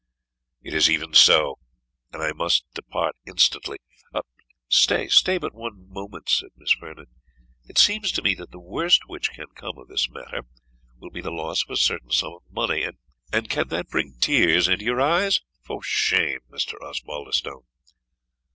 "It is even so, and I must depart instantly." "Stay but one moment," said Miss Vernon. "It seems to me that the worst which can come of this matter, will be the loss of a certain sum of money; and can that bring tears into your eyes? For shame, Mr. Osbaldistone!"